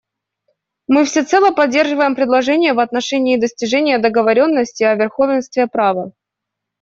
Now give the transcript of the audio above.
Мы всецело поддерживаем предложение в отношении достижения договоренности о верховенстве права.